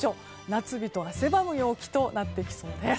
夏日で汗ばむ陽気になってきそうです。